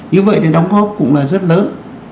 như vậy thì đóng góp cũng là rất lớn